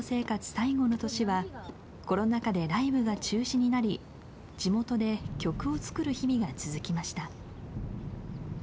最後の年はコロナ禍でライブが中止になり地元で曲を作る日々が続きました。